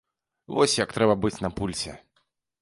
Вось як трэба быць на пульсе.